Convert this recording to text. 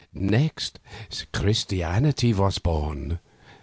Next, Christianity was born.